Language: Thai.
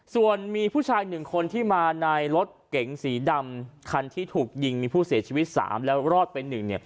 ส่วนมีผู้ชาย๑คนที่มาในรถเก๋งสีดำคันที่ถูกยิงมีผู้เสียชีวิต๓แล้วรอดไป๑